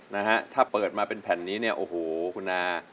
นะฮะถ้าเปิดมาเป็นแผ่นนี้เนี่ยโอ้โหคุณอา